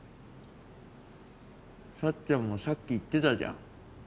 さっちゃんもさっき言ってたじゃん。